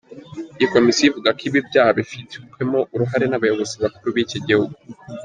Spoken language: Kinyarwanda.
Iyi komisiyo ivuga ko ibi byaha bifitwemo uruhare n’ abayobozi bakuru b’ iki gihugu.